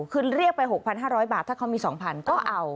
คือเรียกไป๖๕๐๐บาทถ้าเขามี๒๐๐ก็เอา